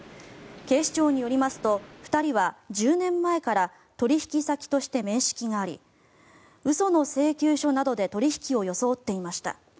警視庁によりますと２人は１０年前から取引先として面識があり嘘の請求書などで取引を装っていました。